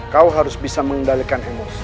kau harus bisa mengendalikan emosi